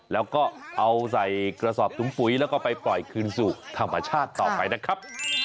แล้วก็เอาใส่กระสอบถุงปุ๋ยแล้วก็ไปปล่อยคืนสู่ธรรมชาติต่อไปนะครับ